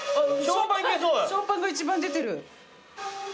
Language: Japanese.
ショーパンが一番出てる。